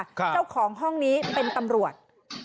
เจ้าของห้องนี้เป็นตำรวจ